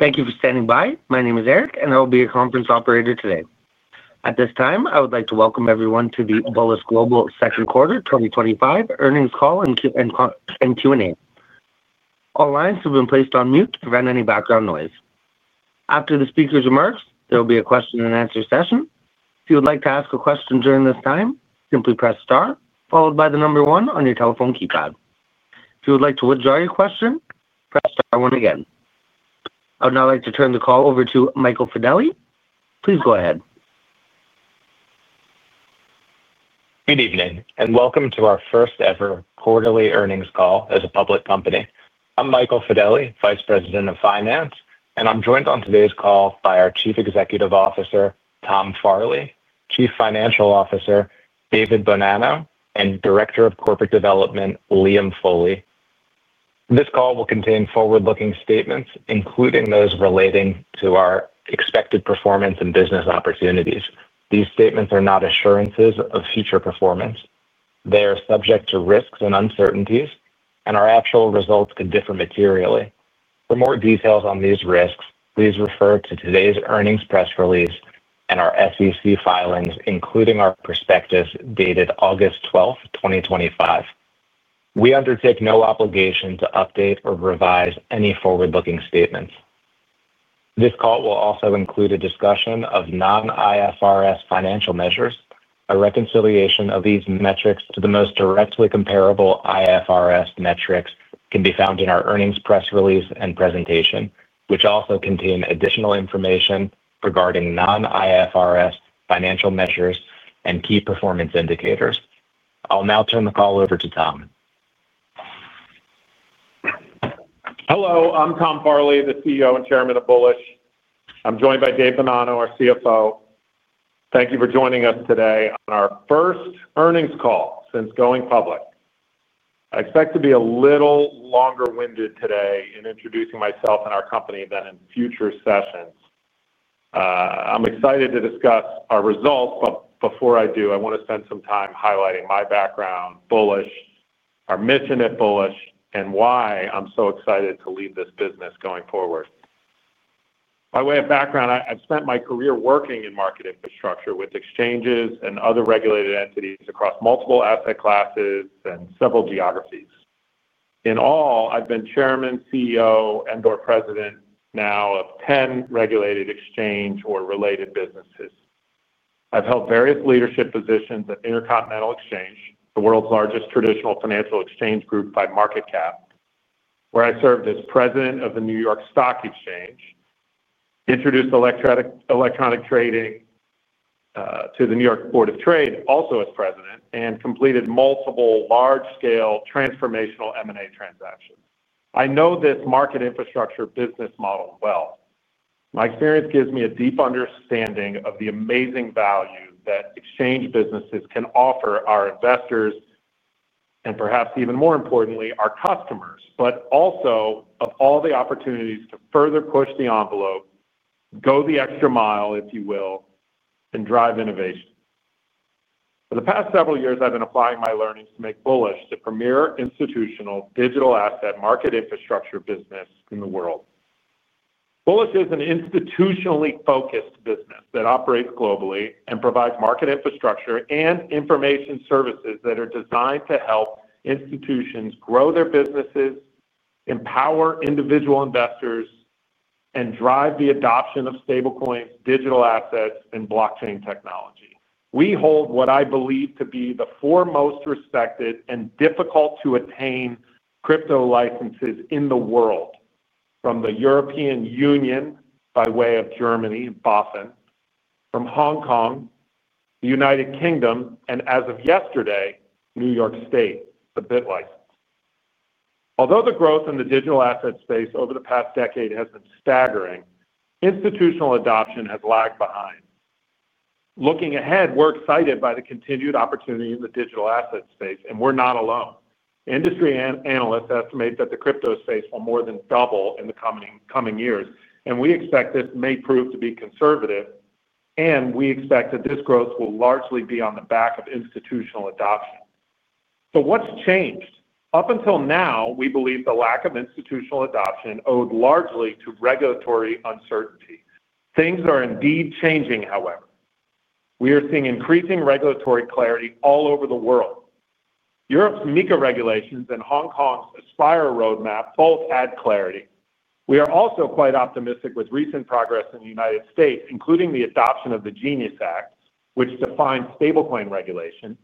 Thank you for standing by. My name is Erik, and I will be your conference operator today. At this time, I would like to welcome everyone to the Bullish Global Sector Quarter 2025 Earnings Call and Q&A. All lines have been placed on mute to prevent any background noise. After the speakers emerge, there will be a question-and-answer session. If you would like to ask a question during this time, simply press star, followed by the number one on your telephone keypad. If you would like to withdraw your question, press star one again. I would now like to turn the call over to Michael Fedele. Please go ahead. Good evening and welcome to our first ever quarterly earnings call as a public company. I'm Michael Fedele, Vice President of Finance, and I'm joined on today's call by our Chief Executive Officer, Tom Farley, Chief Financial Officer, David Bonanno, and Director of Corporate Development, Liam Foley. This call will contain forward-looking statements, including those relating to our expected performance and business opportunities. These statements are not assurances of future performance. They are subject to risks and uncertainties, and our actual results could differ materially. For more details on these risks, please refer to today's earnings press release and our SEC filings, including our prospectus dated August 12th, 2025. We undertake no obligation to update or revise any forward-looking statements. This call will also include a discussion of non-IFRS financial measures. A reconciliation of these metrics to the most directly comparable IFRS metrics can be found in our earnings press release and presentation, which also contain additional information regarding non-IFRS financial measures and key performance indicators. I'll now turn the call over to Tom. Hello, I'm Tom Farley, the CEO and Chairman of Bullish. I'm joined by David Bonanno, our CFO. Thank you for joining us today on our first earnings call since going public. I expect to be a little longer-winded today in introducing myself and our company than in future sessions. I'm excited to discuss our results, but before I do, I want to spend some time highlighting my background, Bullish, our mission at Bullish, and why I'm so excited to lead this business going forward. By way of background, I've spent my career working in market infrastructure with exchanges and other regulated entities across multiple asset classes and several geographies. In all, I've been Chairman, CEO, and/or President now of 10 regulated exchange or related businesses. I've held various leadership positions at Intercontinental Exchange, the world's largest traditional financial exchange group by market cap, where I served as President of the New York Stock Exchange, introduced electronic trading to the New York Board of Trade, also as President, and completed multiple large-scale transformational M&A transactions. I know this market infrastructure business model well. My experience gives me a deep understanding of the amazing value that exchange businesses can offer our investors, and perhaps even more importantly, our customers, but also of all the opportunities to further push the envelope, go the extra mile, if you will, and drive innovation. For the past several years, I've been applying my learnings to make Bullish the premier institutional digital asset market infrastructure business in the world. Bullish is an institutionally focused business that operates globally and provides market infrastructure and information services that are designed to help institutions grow their businesses, empower individual investors, and drive the adoption of stablecoins, digital assets, and blockchain technology. We hold what I believe to be the foremost respected and difficult-to-attain crypto licenses in the world, from the European Union by way of Germany, from Hong Kong, the United Kingdom, and as of yesterday, New York State, the BitLicense. Although the growth in the digital asset space over the past decade has been staggering, institutional adoption has lagged behind. Looking ahead, we're excited by the continued opportunity in the digital asset space, and we're not alone. Industry analysts estimate that the crypto space will more than double in the coming years, and we expect this may prove to be conservative, and we expect that this growth will largely be on the back of institutional adoption. What's changed? Up until now, we believe the lack of institutional adoption owed largely to regulatory uncertainty. Things are indeed changing, however. We are seeing increasing regulatory clarity all over the world. Europe's MiCA regulations and Hong Kong's Aspire roadmap both add clarity. We are also quite optimistic with recent progress in the United States, including the adoption of the GENIUS Act, which defines stablecoin regulation,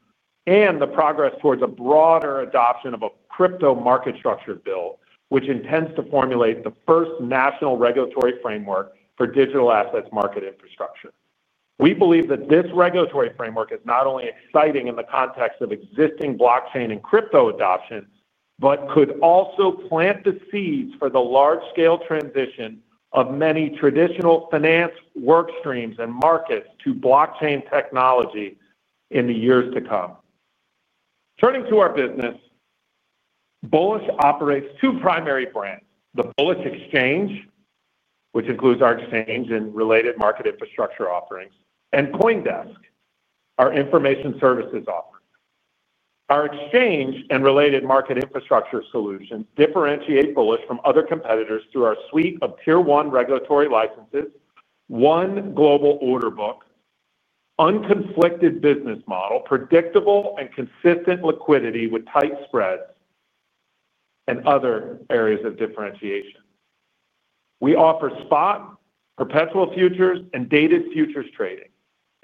and the progress towards a broader adoption of a crypto market structure bill, which intends to formulate the first national regulatory framework for digital assets market infrastructure. We believe that this regulatory framework is not only exciting in the context of existing blockchain and crypto adoption, but could also plant the seeds for the large-scale transition of many traditional finance workstreams and markets to blockchain technology in the years to come. Turning to our business, Bullish operates two primary brands: the Bullish Exchange, which includes our exchange and related market infrastructure offerings, and CoinDesk, our information services offering. Our exchange and related market infrastructure solutions differentiate Bullish from other competitors through our suite of Tier 1 regulatory licenses, one global order book, unconflicted business model, predictable and consistent liquidity with tight spreads, and other areas of differentiation. We offer spot, perpetual futures, and dated futures trading,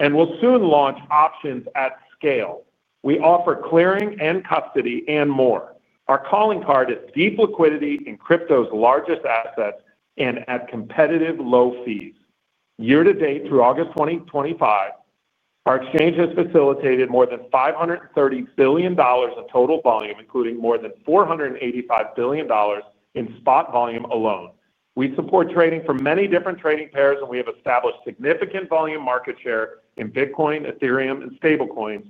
and we'll soon launch options at scale. We offer clearing and custody and more. Our calling card is deep liquidity in crypto's largest assets and at competitive low fees. Year to date, through August 2025, our exchange has facilitated more than $530 billion of total volume, including more than $485 billion in spot volume alone. We support trading from many different trading pairs, and we have established significant volume market share in Bitcoin, Ethereum, and stablecoins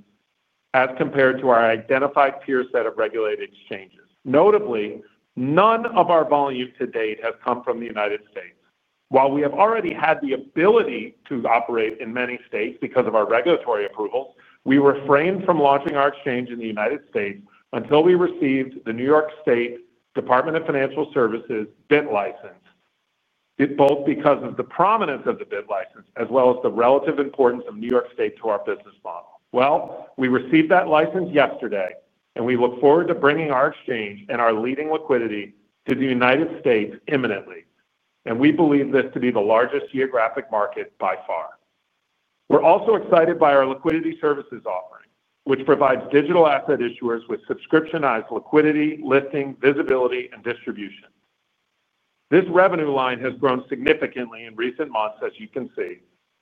as compared to our identified peer set of regulated exchanges. Notably, none of our volume to date has come from the United States. While we have already had the ability to operate in many states because of our regulatory approval, we refrained from launching our exchange in the United States until we received the New York State Department of Financial Services BitLicense, both because of the prominence of the BitLicense as well as the relative importance of New York State to our business model. We received that license yesterday, and we look forward to bringing our exchange and our leading liquidity to the United States imminently, and we believe this to be the largest geographic market by far. We're also excited by our liquidity services offering, which provides digital asset issuers with subscriptionized liquidity, listing, visibility, and distribution. This revenue line has grown significantly in recent months, as you can see,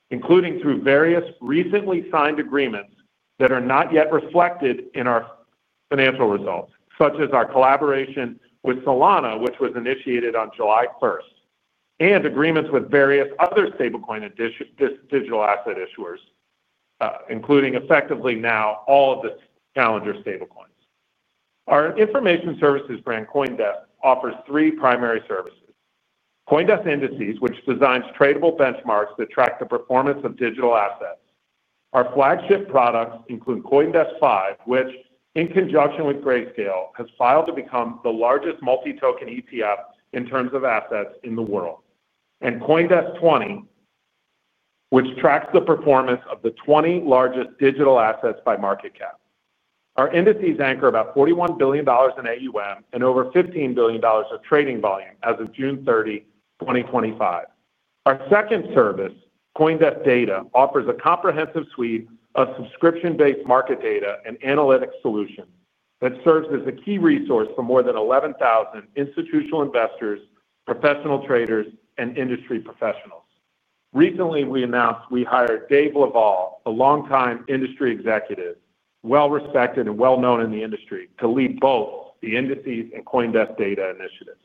including through various recently signed agreements that are not yet reflected in our financial results, such as our collaboration with Solana, which was initiated on July 1st, and agreements with various other stablecoin and digital asset issuers, including effectively now all of the calendar stablecoins. Our information services brand CoinDesk offers three primary services: CoinDesk Indices, which designs tradable benchmarks that track the performance of digital assets. Our flagship products CoinDesk 5 Index, which, in conjunction with Grayscale, has filed to become the largest multi-token ETF in terms of assets in the world, and CoinDesk 20, which tracks the performance of the 20 largest digital assets by market cap. Our indices anchor about $41 billion in AUM and over $15 billion of trading volume as of June 30, 2025. Our second service, CoinDesk Data, offers a comprehensive suite of subscription-based market data and analytics solutions that serves as a key resource for more than 11,000 institutional investors, professional traders, and industry professionals. Recently, we announced we hired Dave LaValle, a longtime industry executive, well-respected and well-known in the industry, to lead both the Indices and CoinDesk Data initiatives.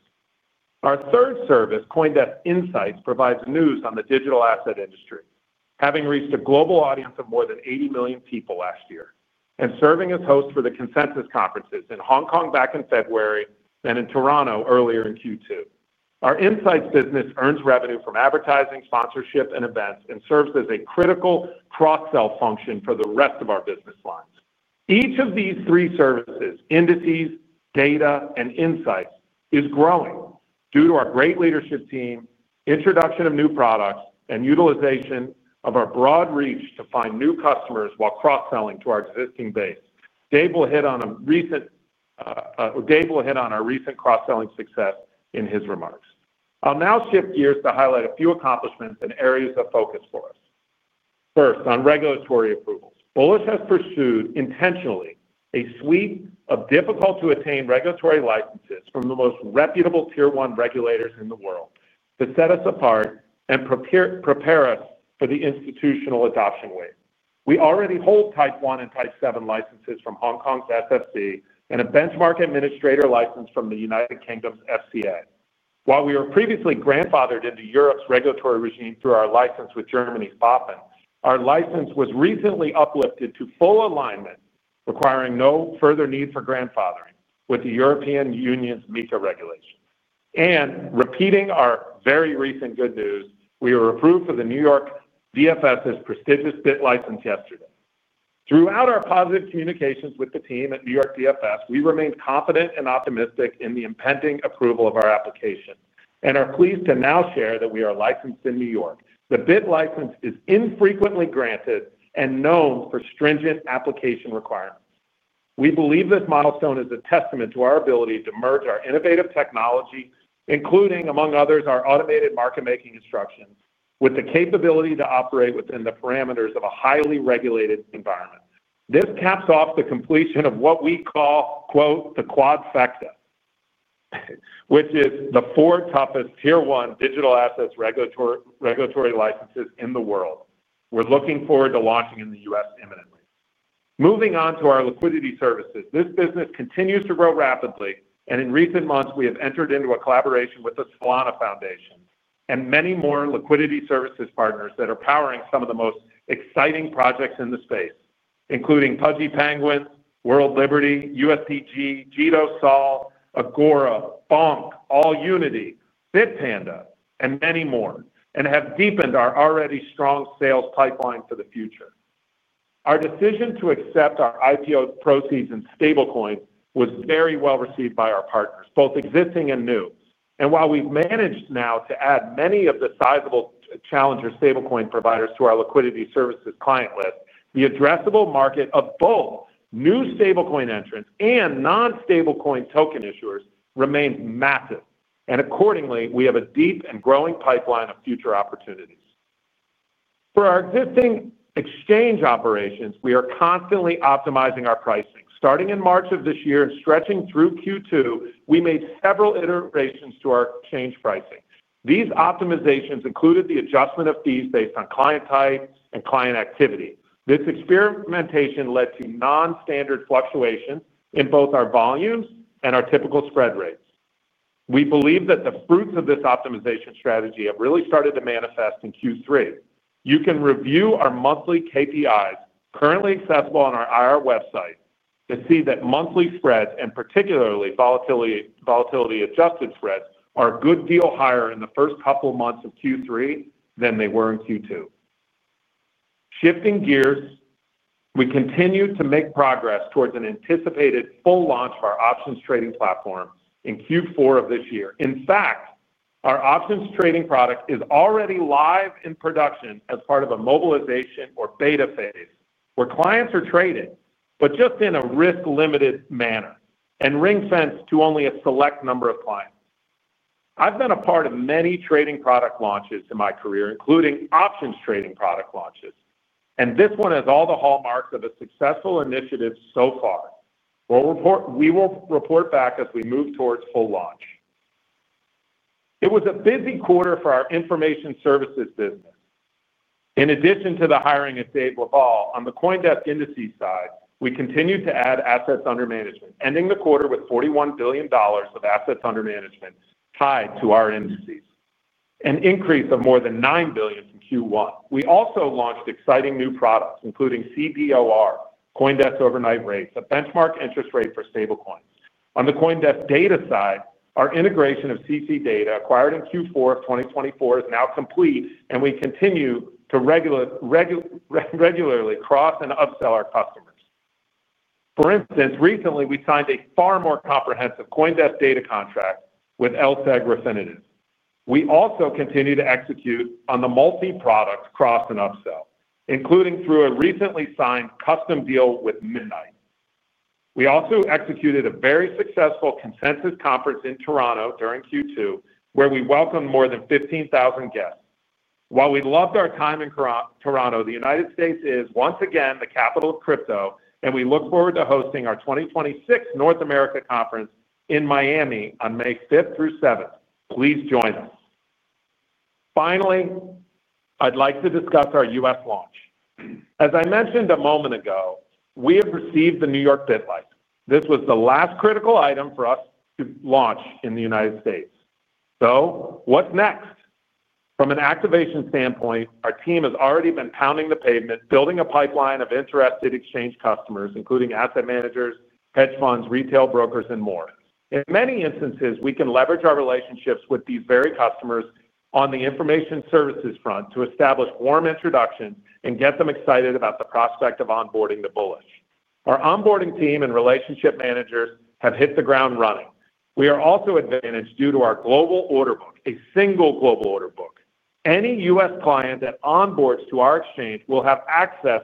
Our third service, CoinDesk Insights, provides news on the digital asset industry, having reached a global audience of more than 80 million people last year and serving as host for the consensus conferences in Hong Kong back in February and in Toronto earlier in Q2. Our Insights business earns revenue from advertising, sponsorship, and events and serves as a critical cross-sell function for the rest of our business lines. Each of these three services: indices, data, and insights is growing due to our great leadership team, introduction of new products, and utilization of our broad reach to find new customers while cross-selling to our existing base. Dave will hit on a recent cross-selling success in his remarks. I'll now shift gears to highlight a few accomplishments and areas of focus for us. First, on regulatory approval, Bullish has pursued intentionally a suite of difficult-to-attain regulatory licenses from the most reputable Tier 1 regulators in the world to set us apart and prepare us for the institutional adoption wave. We already hold Type 1 and Type 7 licenses from Hong Kong SFC and a benchmark administrator license from the United Kingdom FCA. While we were previously grandfathered into EU's regulatory regime through our license with Germany's BaFin, our license was recently uplifted to full alignment, requiring no further need for grandfathering with the EU's MiCA regulation. Repeating our very recent good news, we were approved for the New York DFS' prestigious BitLicense yesterday. Throughout our positive communications with the team at New York DFS, we remained confident and optimistic in the impending approval of our application and are pleased to now share that we are licensed in New York. The BitLicense is infrequently granted and known for stringent application requirements. We believe this milestone is a testament to our ability to merge our innovative technology, including, among others, our automated market-making instruction, with the capability to operate within the parameters of a highly regulated environment. This caps off the completion of what we call, quote, the quad factor, which is the four toughest Tier 1 digital assets regulatory licenses in the world. We're looking forward to launching in the US imminently. Moving on to our liquidity services, this business continues to grow rapidly, and in recent months, we have entered into a collaboration with the Solana Foundation and many more liquidity services partners that are powering some of the most exciting projects in the space, including Pudgy Penguins, World Liberty, USDG, JITOSOL, Agora, Bomb, AllUnity, Bitpanda, and many more, and have deepened our already strong sales pipeline for the future. Our decision to accept our IPO proceeds in stablecoin was very well received by our partners, both existing and new. While we've managed now to add many of the sizable challenger stablecoin providers to our liquidity services client list, the addressable market of both new stablecoin entrants and non-stablecoin token issuers remains massive. Accordingly, we have a deep and growing pipeline of future opportunities. For our existing exchange operations, we are constantly optimizing our pricing. Starting in March of this year and stretching through Q2, we made several iterations to our exchange pricing. These optimizations included the adjustment of fees based on client type and client activity. This experimentation led to non-standard fluctuations in both our volumes and our typical spread rates. We believe that the fruits of this optimization strategy have really started to manifest in Q3. You can review our monthly KPIs currently accessible on our IR website to see that monthly spreads, and particularly volatility-adjusted spreads, are a good deal higher in the first couple of months of Q3 than they were in Q2. Shifting gears, we continue to make progress towards an anticipated full launch of our options trading platform in Q4 of this year. In fact, our options trading product is already live in production as part of a mobilization or beta phase where clients are trading, but just in a risk-limited manner and ring-fenced to only a select number of clients. I've been a part of many trading product launches in my career, including options trading product launches, and this one has all the hallmarks of a successful initiative so far. We will report back as we move towards full launch. It was a busy quarter for our information services business. In addition to the hiring of Dave LaValle, on the CoinDesk Indices side, we continued to add assets under management, ending the quarter with $41 billion of assets under management tied to our indices, an increase of more than $9 billion from Q1. We also launched exciting new products, including CDOR, CoinDesk's overnight rate, a benchmark interest rate for stablecoins. On the CoinDesk Data side, our integration of CC Data acquired in Q4 of 2024 is now complete, and we continue to regularly cross and upsell our customers. For instance, recently we signed a far more comprehensive CoinDesk Data contract with LSEG Refinitiv. We also continue to execute on the multi-products cross and upsell, including through a recently signed custom deal with Midnight. We also executed a very successful consensus conference in Toronto during Q2, where we welcomed more than 15,000 guests. While we loved our time in Toronto, the United States is once again the capital of crypto, and we look forward to hosting our 2026 North America conference in Miami on May 5th through 7th. Please join us. Finally, I'd like to discuss our U.S. launch. As I mentioned a moment ago, we have received the New York BitLicense. This was the last critical item for us to launch in the United States. What's next? From an activation standpoint, our team has already been pounding the pavement, building a pipeline of interested exchange customers, including asset managers, hedge funds, retail brokers, and more. In many instances, we can leverage our relationships with these very customers on the information services front to establish warm introductions and get them excited about the prospect of onboarding to Bullish. Our onboarding team and relationship managers have hit the ground running. We are also advantaged due to our global order book, a single global order book. Any U.S. client that onboards to our exchange will have access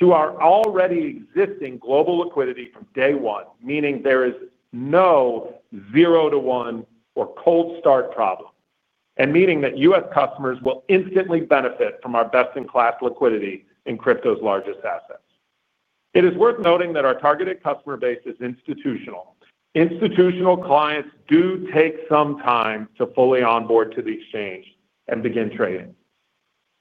to our already existing global liquidity from day one, meaning there is no zero-to-one or cold start problem, and meaning that U.S. customers will instantly benefit from our best-in-class liquidity in crypto's largest asset It is worth noting that our targeted customer base is institutional. Institutional clients do take some time to fully onboard to the exchange and begin trading.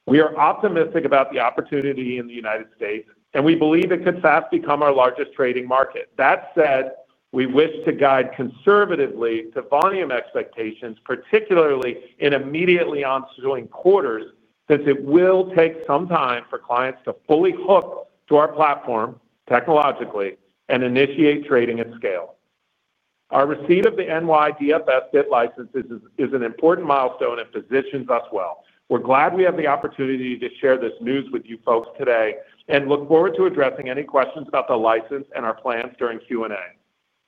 We are optimistic about the opportunity in the United States, and we believe it could fast become our largest trading market. That said, we wish to guide conservatively to volume expectations, particularly in immediately ongoing quarters, since it will take some time for clients to fully hook to our platform technologically and initiate trading at scale. Our receipt of the NYDFS BitLicense is an important milestone and positions us well. We're glad we have the opportunity to share this news with you folks today and look forward to addressing any questions about the license and our plans during Q&A.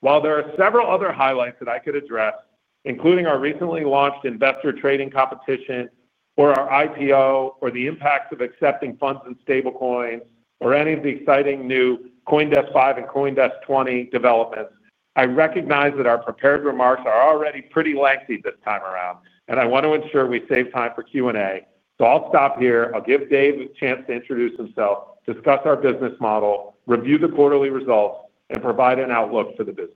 While there are several other highlights that I could address, including our recently launched investor trading competition, our IPO, or the impacts of accepting funds in stablecoins, or any of the exciting new CoinDesk 5 and CoinDesk 20 developments, I recognize that our prepared remarks are already pretty lengthy this time around, and I want to ensure we save time for Q&A. I'll stop here. I'll give Dave a chance to introduce himself, discuss our business model, review the quarterly results, and provide an outlook for the business.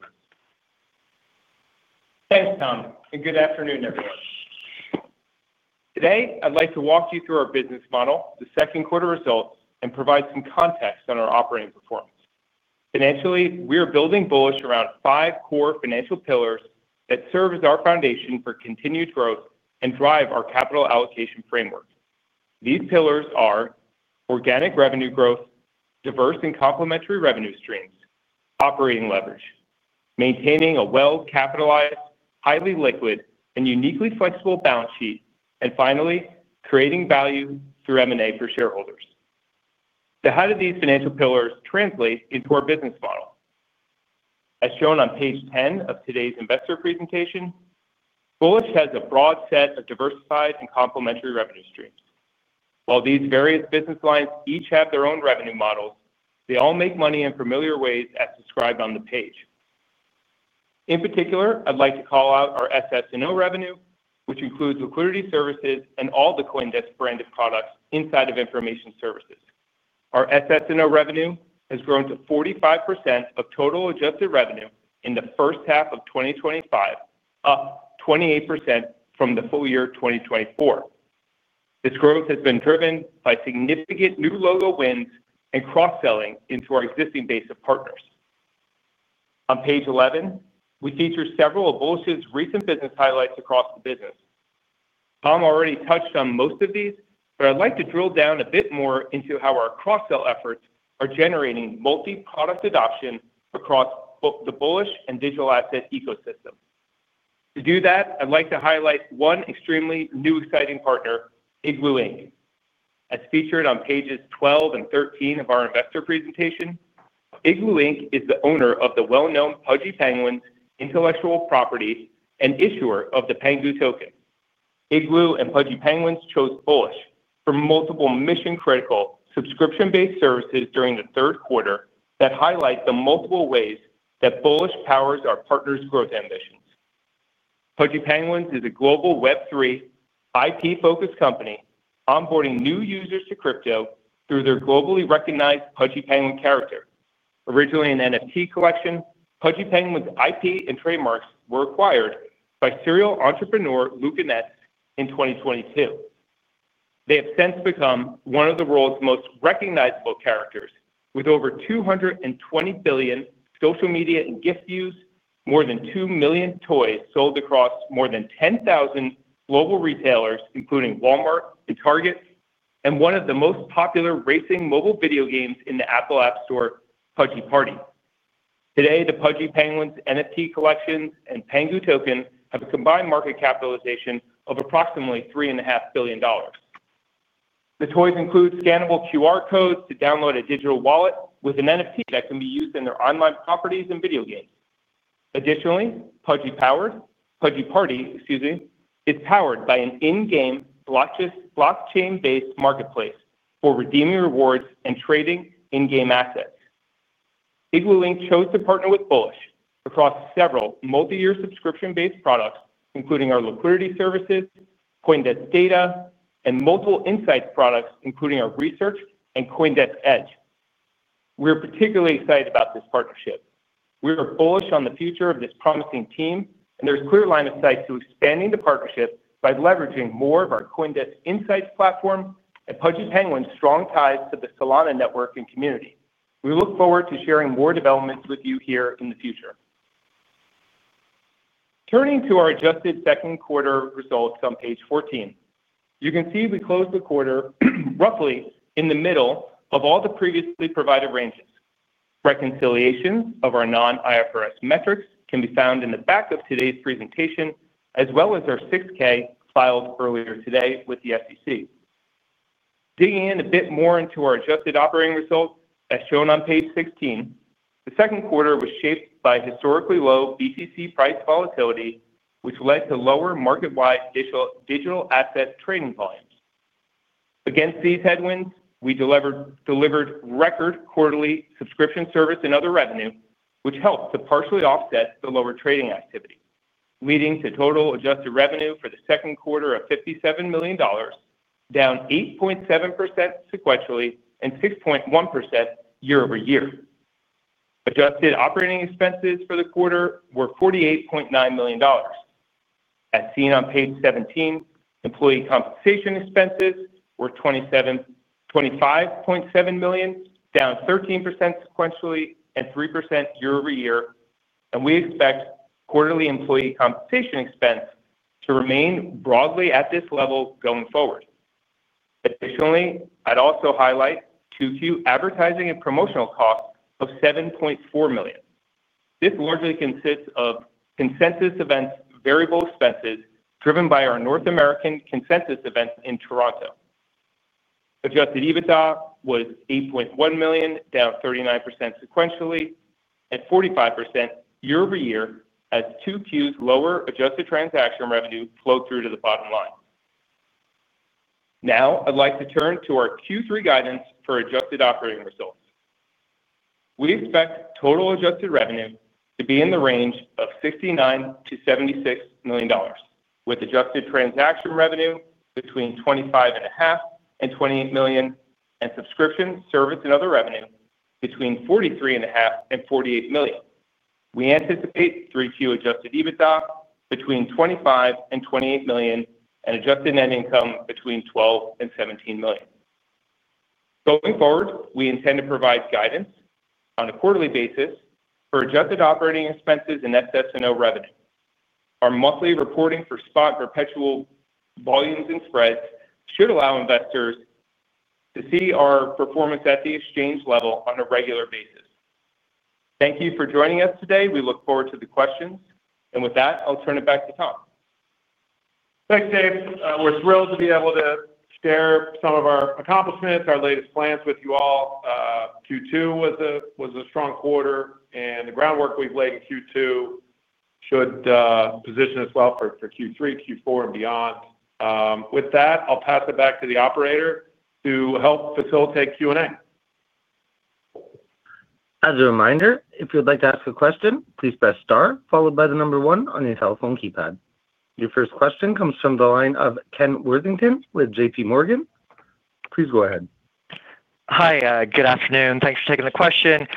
Thanks, Tom, and good afternoon, everyone. Today, I'd like to walk you through our business model, the second quarter results, and provide some context on our operating performance. Financially, we are building Bullish around five core financial pillars that serve as our foundation for continued growth and drive our capital allocation framework. These pillars are organic revenue growth, diverse and complementary revenue streams, operating leverage, maintaining a well-capitalized, highly liquid, and uniquely flexible balance sheet, and finally, creating value through M&A for shareholders. The height of these financial pillars translates into our business model. As shown on page 10 of today's investor presentation, Bullish has a broad set of diversified and complementary revenue streams. While these various business lines each have their own revenue models, they all make money in familiar ways as described on the page. In particular, I'd like to call out our SS&O revenue, which includes liquidity services and all the CoinDesk brand of products inside of information services. Our SS&O revenue has grown to 45% of total adjusted revenue in the first half of 2025, up 28% from the full year 2024. This growth has been driven by significant new logo wins and cross-selling into our existing base of partners. On page 11, we feature several of Bullish's recent business highlights across the business. Tom already touched on most of these, but I'd like to drill down a bit more into how our cross-sell efforts are generating multi-product adoption across the Bullish and digital asset ecosystem. To do that, I'd like to highlight one extremely new exciting partner, Igloo Inc. As featured on pages 12 and 13 of our investor presentation, Igloo Inc. is the owner of the well-known Pudgy Penguins intellectual property and issuer of the PENGU Token. Igloo and Pudgy Penguins chose Bullish for multiple mission-critical subscription-based services during the third quarter that highlight the multiple ways that Bullish powers our partners' growth ambitions. Pudgy Penguins is a global Web3 IP-focused company onboarding new users to crypto through their globally recognized Pudgy Penguin character. Originally an NFT collection, Pudgy Penguins' IP and trademarks were acquired by serial entrepreneur Luca Netz in 2022. They have since become one of the world's most recognizable characters, with over 220 billion social media and gift views, more than 2 million toys sold across more than 10,000 global retailers, including Walmart and Target, and one of the most popular racing mobile video games in the Apple App Store, Pudgy Party. Today, the Pudgy Penguins NFT collections and PENGU Token have a combined market capitalization of approximately $3.5 billion. The toys include scannable QR codes to download a digital wallet with an NFT that can be used in their online properties and video games. Additionally, Pudgy Party is powered by an in-game blockchain-based marketplace for redeeming rewards and trading in-game assets. Igloo chose to partner with Bullish across several multi-year subscription-based products, including our liquidity services, CoinDesk Data, and multiple insights products, including our research and CoinDesk Edge. We are particularly excited about this partnership. We are bullish on the future of this promising team, and there's a clear line of sight to expanding the partnership by leveraging more of our CoinDesk Insights platform and Pudgy Penguins' strong ties to the Solana network and community. We look forward to sharing more developments with you here in the future. Turning to our adjusted second quarter results on page 14, you can see we closed the quarter roughly in the middle of all the previously provided ranges. Reconciliations of our non-IFRS metrics can be found in the back of today's presentation, as well as our 6-K filed earlier today with the SEC. Digging in a bit more into our adjusted operating results, as shown on page 16, the second quarter was shaped by historically low BTC price volatility, which led to lower market-wide digital asset trading volumes. Against these headwinds, we delivered record quarterly subscription service and other revenue, which helped to partially offset the lower trading activity, leading to total adjusted revenue for the second quarter of $57 million, down 8.7% sequentially and 6.1% year-over-year. Adjusted operating expenses for the quarter were $48.9 million. As seen on page 17, employee compensation expenses were $25.7 million, down 13% sequentially and 3% year-over-year, and we expect quarterly employee compensation expense to remain broadly at this level going forward. Additionally, I'd also highlight Q2 advertising and promotional costs of $7.4 million. This largely consists of consensus events variable expenses driven by our North American consensus events in Toronto. Adjusted EBITDA was $8.1 million, down 39% sequentially and 45% year-over-year as Q2's lower adjusted transaction revenue flowed through to the bottom line. Now, I'd like to turn to our Q3 guidance for adjusted operating results. We expect total adjusted revenue to be in the range of $69 million-$76 million, with adjusted transaction revenue between $25.5 million and $28 million, and subscription service and other revenue between $43.5 million and $48 million. We anticipate Q2 adjusted EBITDA between $25 million and $28 million, and adjusted net income between $12 million and $17 million. Going forward, we intend to provide guidance on a quarterly basis for adjusted operating expenses and SS&O revenue. Our monthly reporting for spot perpetual volumes and spreads should allow investors to see our performance at the exchange level on a regular basis. Thank you for joining us today. We look forward to the questions, and with that, I'll turn it back to Tom. Thanks, Dave. We're thrilled to be able to share some of our accomplishments, our latest plans with you all. Q2 was a strong quarter, and the groundwork we've laid in Q2 should position us well for Q3, Q4, and beyond. With that, I'll pass it back to the operator to help facilitate Q&A. As a reminder, if you'd like to ask a question, please press star, followed by the number one on your telephone keypad. Your first question comes from the line of Ken Worthington with JPMorgan. Please go ahead. Hi, good afternoon. Thanks for taking the question.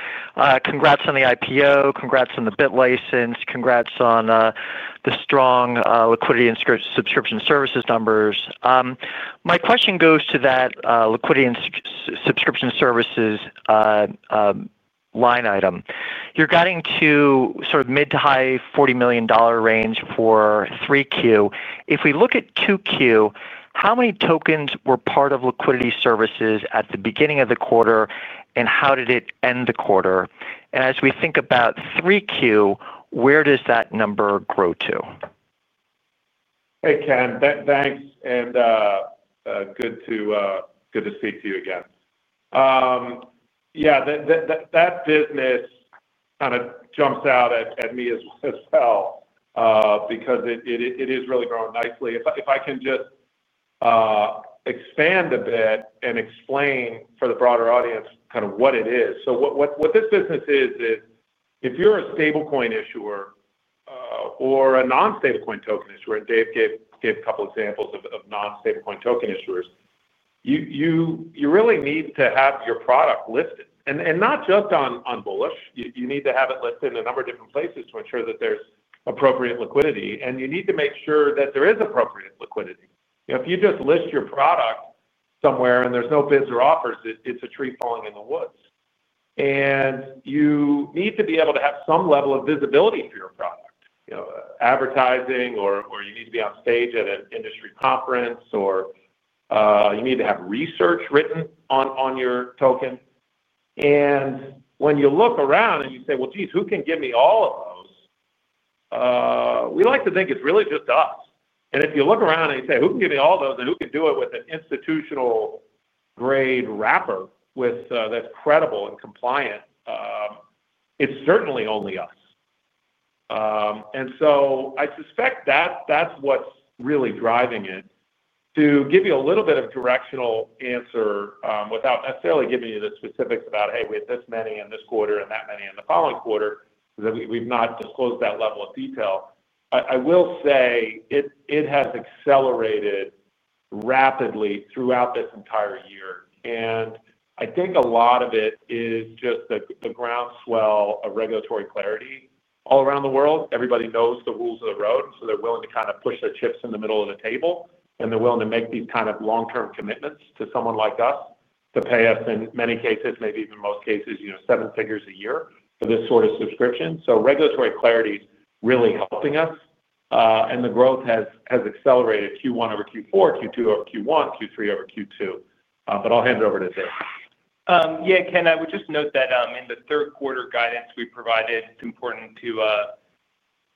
Congrats on the IPO, congrats on the BitLicense, congrats on the strong liquidity and subscription services numbers. My question goes to that liquidity and subscription services line item. You're guiding to sort of mid to high $40 million range for 3Q. If we look at 2Q, how many tokens were part of liquidity services at the beginning of the quarter, and how did it end the quarter? As we think about 3Q, where does that number grow to? Hey, Ken. Thanks, and good to speak to you again. Yeah, that business kind of jumps out at me as well because it is really growing nicely. If I can just expand a bit and explain for the broader audience kind of what it is. What this business is, if you're a stablecoin issuer or a non-stablecoin token issuer, and Dave gave a couple of examples of non-stablecoin token issuers, you really need to have your product listed. Not just on Bullish, you need to have it listed in a number of different places to ensure that there's appropriate liquidity. You need to make sure that there is appropriate liquidity. If you just list your product somewhere and there's no bids or offers, it's a tree falling in the woods. You need to be able to have some level of visibility for your product. Advertising, or you need to be on stage at an industry conference, or you need to have research written on your token. When you look around and you say, geez, who can give me all of those? We like to think it's really just us. If you look around and you say, who can give me all those and who can do it with an institutional-grade wrapper that's credible and compliant, it's certainly only us. I suspect that's what's really driving it. To give you a little bit of a directional answer without necessarily giving you the specifics about, hey, we had this many in this quarter and that many in the following quarter, because we've not disclosed that level of detail, I will say it has accelerated rapidly throughout this entire year. I think a lot of it is just the groundswell of regulatory clarity all around the world. Everybody knows the rules of the road, so they're willing to kind of push the chips in the middle of the table, and they're willing to make these kind of long-term commitments to someone like us to pay us, in many cases, maybe even most cases, seven figures a year for this sort of subscription. Regulatory clarity is really helping us, and the growth has accelerated Q1 over Q4, Q2 over Q1, Q3 over Q2. I'll hand it over to Dave. Yeah, Ken, I would just note that in the third quarter guidance we provided, it's important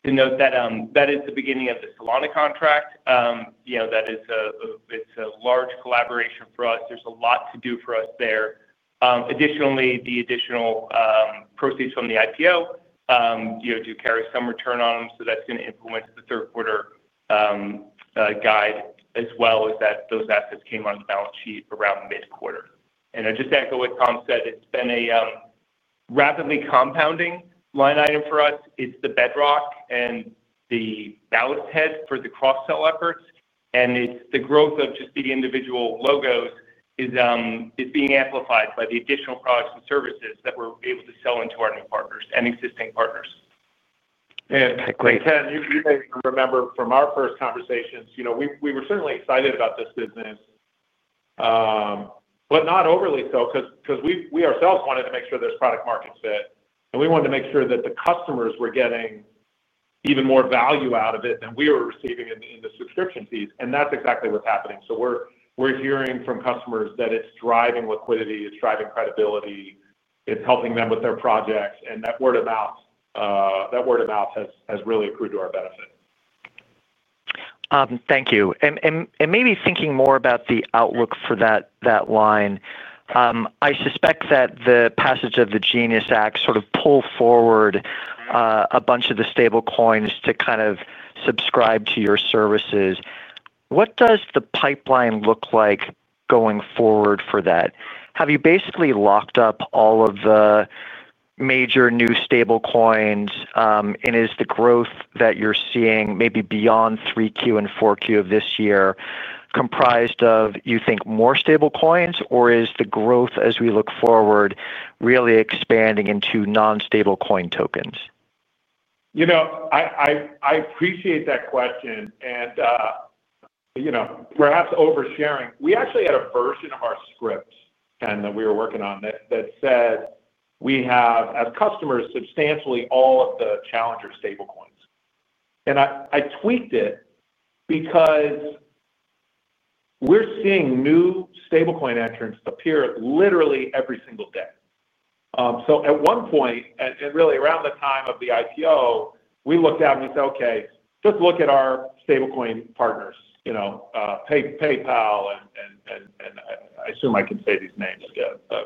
to note that that is the beginning of the Solana contract. That is a large collaboration for us. There's a lot to do for us there. Additionally, the additional proceeds from the IPO do carry some return on them, so that's going to influence the third quarter guide as well as those assets came on the balance sheet around mid-quarter. I just echo what Tom said. It's been a rapidly compounding line item for us. It's the bedrock and the balance head for the cross-sell efforts, and it's the growth of just the individual logos being amplified by the additional products and services that we're able to sell into our new partners and existing partners. Ken, you may remember from our first conversations, we were certainly excited about this business, but not overly so, because we ourselves wanted to make sure there's product-market fit, and we wanted to make sure that the customers were getting even more value out of it than we were receiving in the subscription fees. That's exactly what's happening. We're hearing from customers that it's driving liquidity, it's driving credibility, it's helping them with their projects, and that word of mouth has really accrued to our benefit. Thank you. Maybe thinking more about the outlook for that line, I suspect that the passage of the GENIUS Act sort of pulls forward a bunch of the stablecoins to kind of subscribe to your services. What does the pipeline look like going forward for that? Have you basically locked up all of the major new stablecoins, and is the growth that you're seeing maybe beyond 3Q and 4Q of this year comprised of, you think, more stablecoins, or is the growth as we look forward really expanding into non-stablecoin tokens? You know. I appreciate that question, and perhaps oversharing, we actually had a version of our script, Ken, that we were working on that said we have, as customers, substantially all of the challenger stablecoins. I tweaked it because we're seeing new stablecoin entrants appear literally every single day. At one point, really around the time of the IPO, we looked out and we said, okay, let's look at our stablecoin partners, you know, PayPal, and I assume I can say these names,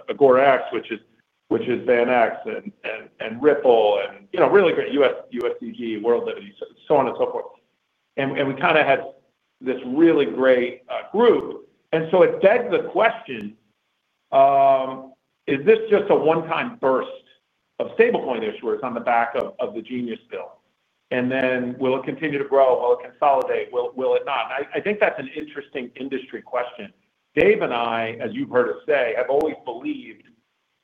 AgoraX, which is VanEck, and Ripple, and really great USDG, World, and so on and so forth. We kind of had this really great group. It begs the question, is this just a one-time burst of stablecoin issuers on the back of the GENIUS bill? Will it continue to grow? Will it consolidate? Will it not? I think that's an interesting industry question. Dave and I, as you've heard us say, have always believed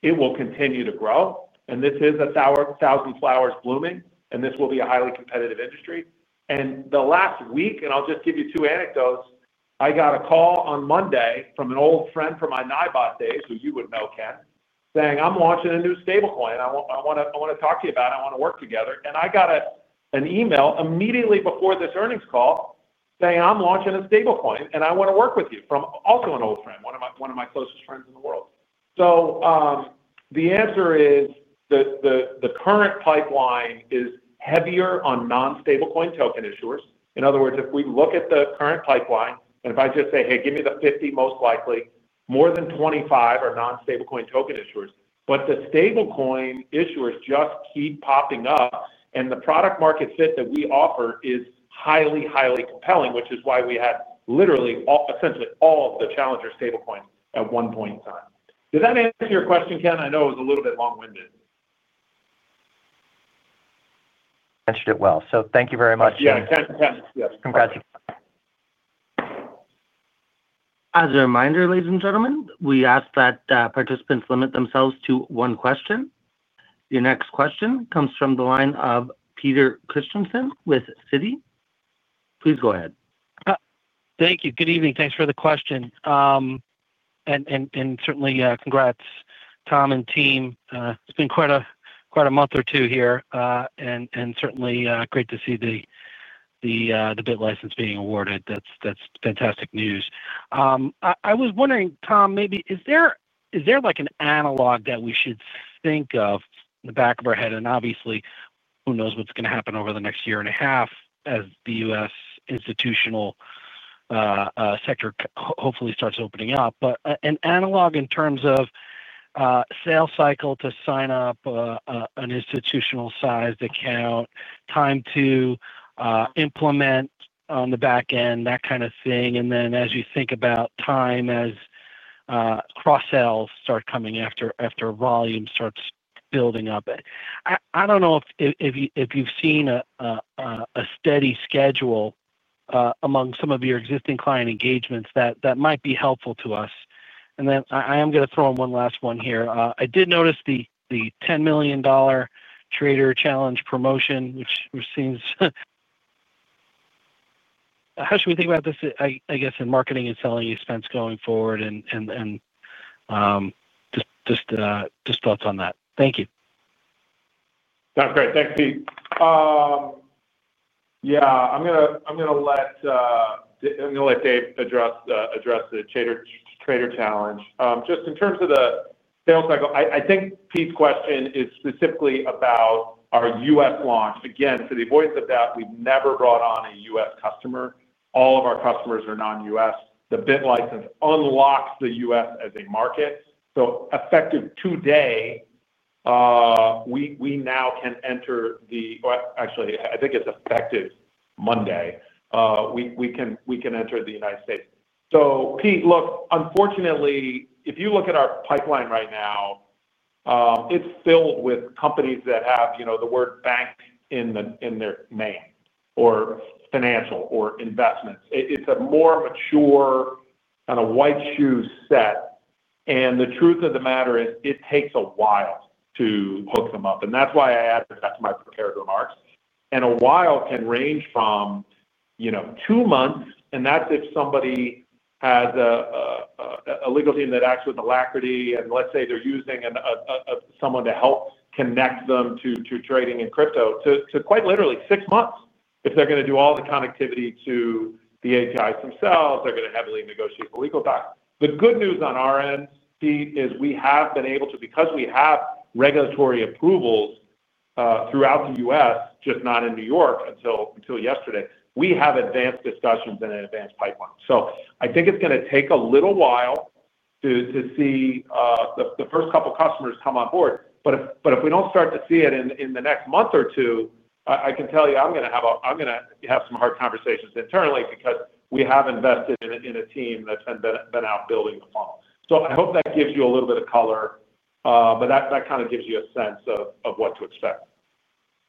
it will continue to grow, and this is a thousand flowers blooming, and this will be a highly competitive industry. In the last week, I'll just give you two anecdotes. I got a call on Monday from an old friend from my NIBOT days, who you would know, Ken, saying, I'm launching a new stablecoin. I want to talk to you about it. I want to work together. I got an email immediately before this earnings call saying, I'm launching a stablecoin, and I want to work with you, from also an old friend, one of my closest friends in the world. The answer is the current pipeline is heavier on non-stablecoin token issuers. In other words, if we look at the current pipeline, and if I just say, hey, give me the 50, most likely more than 25 are non-stablecoin token issuers, but the stablecoin issuers just keep popping up, and the product-market fit that we offer is highly, highly compelling, which is why we had literally essentially all of the challenger stablecoins at one point in time. Did that answer your question, Ken? I know it was a little bit long-winded. Thank you very much. You answered it well. Yeah, Ken, yes, congratulations. As a reminder, ladies and gentlemen, we ask that participants limit themselves to one question. Your next question comes from the line of Peter Christiansen with Citi. Please go ahead. Thank you. Good evening. Thanks for the question. Certainly, congrats, Tom and team. It's been quite a month or two here, and certainly great to see the BitLicense being awarded. That's fantastic news. I was wondering, Tom, maybe is there like an analog that we should think of in the back of our head? Obviously, who knows what's going to happen over the next year and a half as the U.S. institutional sector hopefully starts opening up. An analog in terms of sales cycle to sign up an institutional sized account, time to implement on the back end, that kind of thing. As you think about time as cross-sales start coming after volume starts building up, I don't know if you've seen a steady schedule among some of your existing client engagements that might be helpful to us. I am going to throw in one last one here. I did notice the $10 million trader challenge promotion, which seems... How should we think about this, I guess, in marketing and selling expense going forward? Just thoughts on that. Thank you. That's great. Thanks, Pete. Yeah, I'm going to let Dave address the trader challenge. Just in terms of the sales cycle, I think Pete's question is specifically about our U.S. launch. Again, for the avoidance of doubt, we've never brought on a U.S. customer. All of our customers are non-U.S. The BitLicense unlocks the U.S. as a market. Effective today, we now can enter the—actually, I think it's effective Monday. We can enter the United. Pete, unfortunately, if you look at our pipeline right now, it's filled with companies that have, you know, the word bank in their name or financial or investments. It's a more mature kind of white shoe set. The truth of the matter is it takes a while to hook them up. That's why I added that to my prepared remarks. A while can range from, you know, two months, and that's if somebody has a legal team that acts with the alacrity and let's say they're using someone to help connect them to trading in crypto, to quite literally six months if they're going to do all the connectivity to the APIs themselves, they're going to heavily negotiate the legal doc. The good news on our end, Pete, is we have been able to, because we have regulatory approvals throughout the U.S., just not in New York until yesterday, we have advanced discussions and an advanced pipeline. I think it's going to take a little while to see the first couple of customers come on board. If we don't start to see it in the next month or two, I can tell you I'm going to have some hard conversations internally because we have invested in a team that's been out building the funnel. I hope that gives you a little bit of color, but that kind of gives you a sense of what to expect.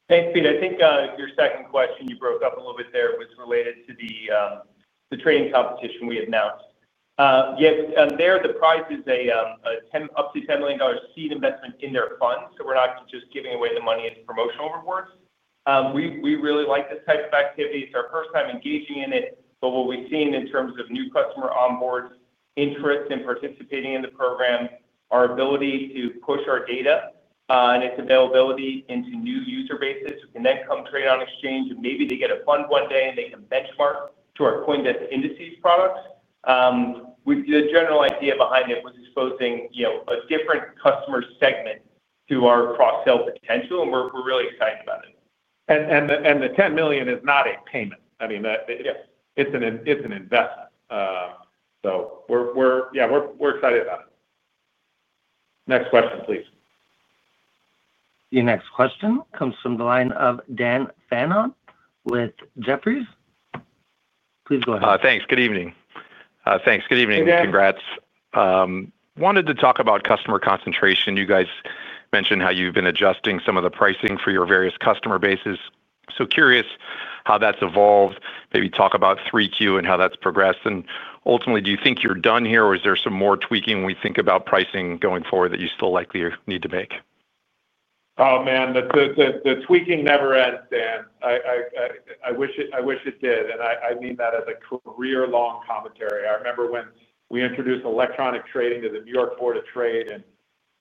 Thanks, Pete. I think your second question, you broke up a little bit there, was related to the trading competition we announced. The prize is an up to $10 million seed investment in their fund. We're not just giving away the money. It's promotional rewards. We really like this type of activity. It's our first time engaging in it. What we've seen in terms of new customer onboard interest in participating in the program, our ability to push our data and its availability into new user bases who can then come trade on exchange, and maybe they get a fund one day and they can benchmark to our CoinDesk Indices products. The general idea behind it was exposing a different customer segment to our cross-sell potential, and we're really excited about it. The $10 million is not a payment. I mean, it's an investment. We're excited about it. Next question, please. Your next question comes from the line of Dan Fannon with Jefferies. Please go ahead. Thanks. Good evening. Congrats. Wanted to talk about customer concentration. You guys mentioned how you've been adjusting some of the pricing for your various customer bases. Curious how that's evolved. Maybe talk about 3Q and how that's progressed. Ultimately, do you think you're done here, or is there some more tweaking when we think about pricing going forward that you still likely need to make? Oh, man, the tweaking never ends, Dan. I wish it did. I mean that as a career-long commentary. I remember when we introduced electronic trading to the New York Board of Trade in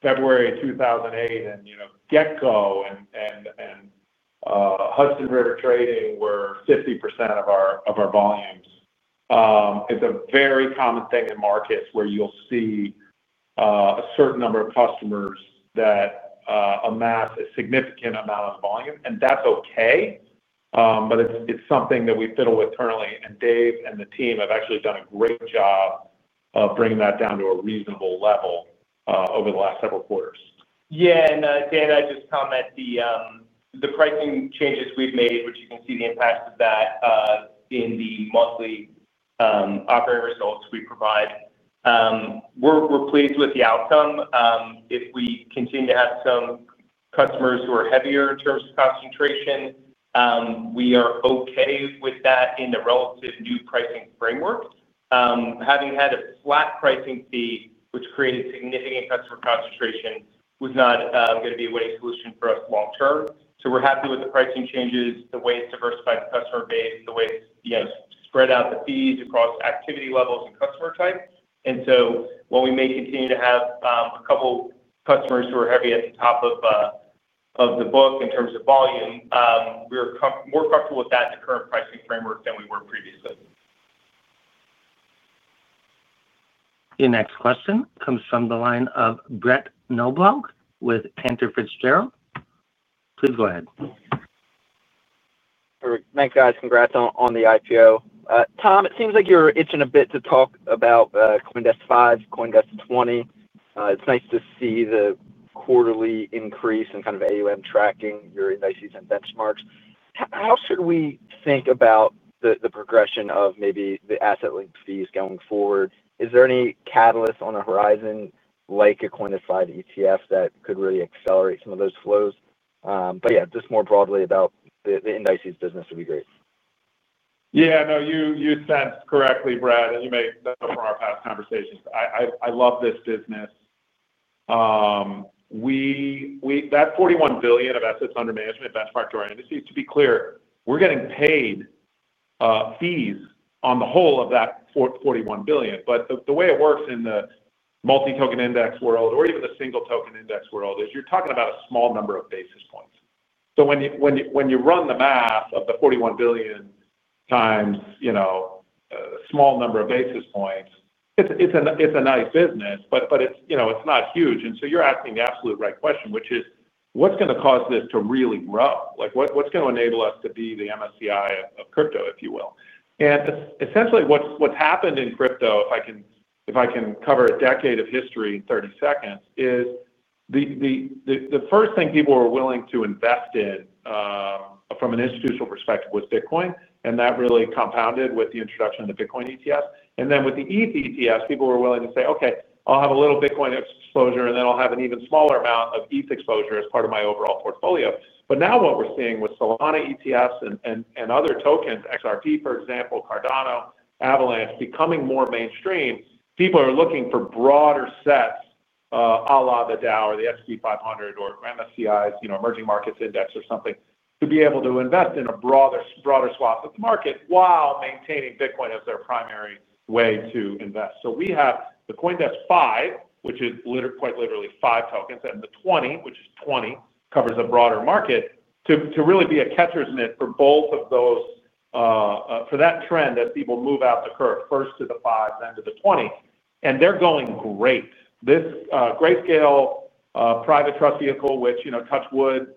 February 2008, and you know, GetGo and Hudson River Trading were 50% of our volumes. It's a very common thing in markets where you'll see a certain number of customers that amass a significant amount of the volume. It's okay. It's something that we fiddle with currently. Dave and the team have actually done a great job of bringing that down to a reasonable level over the last several quarters. Yeah, and Dan and I just commented the pricing changes we've made, which you can see the impact of that in the monthly operating results we provide. We're pleased with the outcome. If we continue to have some customers who are heavier in terms of concentration, we are okay with that in the relative new pricing framework. Having had a flat pricing fee, which created significant customer concentration, was not going to be a winning solution for us long term. We're happy with the pricing changes, the way it's diversified the customer base, and the way it's spread out the fees across activity levels, customer type. While we may continue to have a couple customers who are heavy at the top of the book in terms of volume, we're comfortable with that in the current pricing framework than we were previously. Your next question comes from the line of Brett Knobaluch with Cantor Fitzgerald. Please go ahead. All right. Thanks, guys. Congrats on the IPO. Tom, it seems like you're itching a bit to talk about CoinDesk 5, CoinDesk 20. It's nice to see the quarterly increase in kind of AUM tracking your indices and benchmarks. How should we think about the progression of maybe the asset linked fees going forward? Is there any catalyst on the horizon like a CoinDesk 5 ETF that could really accelerate some of those flows? Just more broadly about the indices business would be great. Yeah, no, you sensed correctly, Brad, and you may know from our past conversations, but I love this business. That $41 billion of assets under management benchmarked to our indices, to be clear, we're getting paid fees on the whole of that $41 billion. The way it works in the multi-token index world, or even the single token index world, is you're talking about a small number of basis points. When you run the math of the $41 billion times, you know, a small number of basis points, it's a nice business, but it's not huge. You're asking the absolute right question, which is what's going to cause this to really grow? What's going to enable us to be the MSCI of crypto, if you will? Essentially, what's happened in crypto, if I can cover a decade of history in 30 seconds, is the first thing people were willing to invest in from an institutional perspective was Bitcoin, and that really compounded with the introduction of the Bitcoin ETF. With the ETH ETFs, people were willing to say, okay, I'll have a little Bitcoin exposure, and then I'll have an even smaller amount of ETH exposure as part of my overall portfolio. Now what we're seeing with Solana ETFs and other tokens, XRP, for example, Cardano, Avalanche, becoming more mainstream, people are looking for broader sets a la the DAO or the S&P 500 or MSCI's Emerging Markets Index or something to be able to invest in a broader swath of the market while maintaining Bitcoin as their primary way to invest. We have the CoinDesk 5, which is quite literally five tokens, and the 20, which is 20, covers a broader market to really be a catcher's net for both of those, for that trend that people move out the curve, first to the CoinDesk 5, then to the CoinDesk 20. They're going great. This Grayscale private trust vehicle, which, you know, touch wood,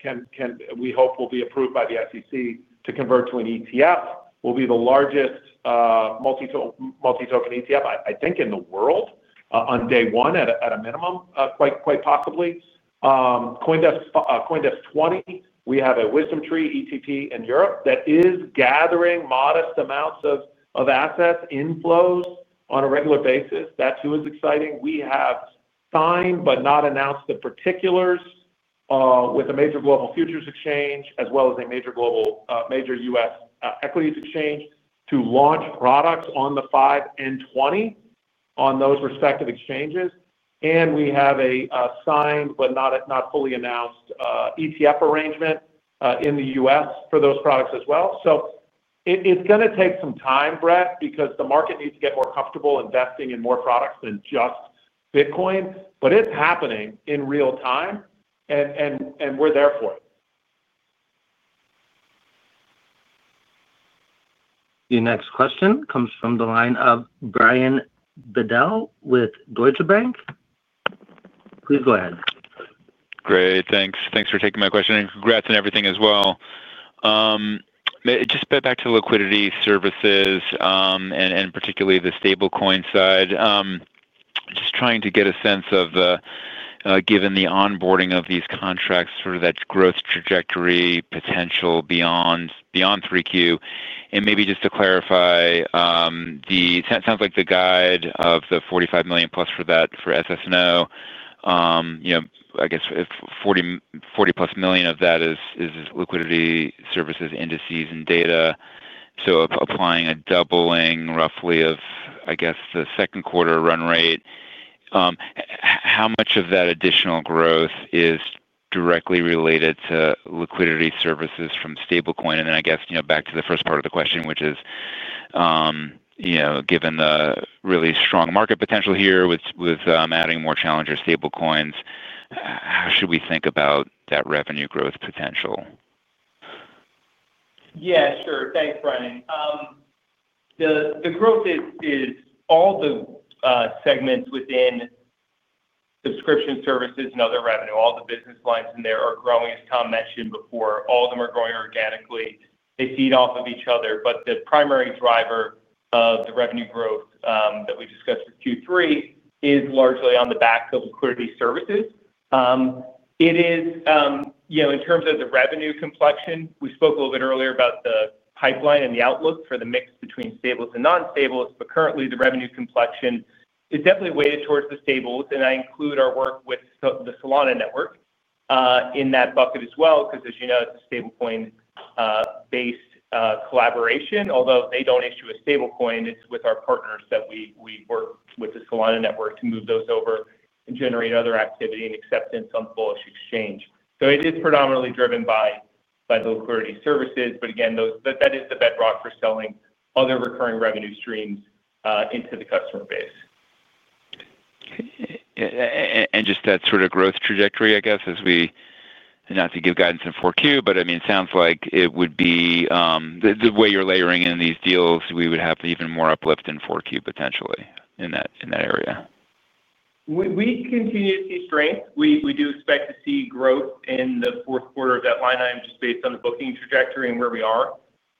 can we hope will be approved by the SEC to convert to an ETF, will be the largest multi-token ETF, I think, in the world on day one at a minimum, quite possibly. CoinDesk 20, we have a WisdomTree ETP in Europe that is gathering modest amounts of assets, inflows on a regular basis. That too is exciting. We have signed but not announced the particulars with a major global futures exchange as well as a major global major U.S. equities exchange to launch products on the CoinDesk 5 and CoinDesk 20 on those respective exchanges. We have a signed but not fully announced ETF arrangement in the U.S. for those products as well. It's going to take some time, Brett, because the market needs to get more comfortable investing in more products than just Bitcoin. It's happening in real time, and we're there for it. Your next question comes from the line of Brian Bedell with Deutsche Bank. Please go ahead. Great, thanks. Thanks for taking my question and congrats on everything as well. Just a bit back to liquidity services and particularly the stablecoin side. I'm just trying to get a sense of the, given the onboarding of these contracts, sort of that growth trajectory potential beyond 3Q. Maybe just to clarify, it sounds like the guide of the $45+ million for that for SS&O, I guess $40+ million of that is liquidity services, indices, and data. Applying a doubling roughly of, I guess, the second quarter run rate, how much of that additional growth is directly related to liquidity services from stablecoin? I guess, back to the first part of the question, which is, given the really strong market potential here with adding more challenger stablecoins, how should we think about that revenue growth potential? Yeah, sure. Thanks, Brian. The growth is all the segments within subscription services and other revenue. All the business lines in there are growing, as Tom mentioned before. All of them are growing organically. They feed off of each other. The primary driver of the revenue growth that we discussed for Q3 is largely on the back of liquidity services. In terms of the revenue complexion, we spoke a little bit earlier about the pipeline and the outlook for the mix between stables and non-stables, but currently the revenue complexion is definitely weighted towards the stables. I include our work with the Solana Network in that bucket as well, because, as you know, it's a stablecoin-based collaboration. Although they don't issue a stablecoin, it's with our partners that we work with the Solana Network to move those over and generate other activity and acceptance on the Bullish Exchange. It is predominantly driven by the liquidity services, again, that is the bedrock for selling other recurring revenue streams into the customer base. Just that sort of growth trajectory, I guess, as we, not to give guidance in 4Q, but it sounds like it would be, the way you're layering in these deals, we would have even more uplift in 4Q potentially in that area. We continue to see strength. We do expect to see growth in the fourth quarter of that line, just based on the booking trajectory and where we are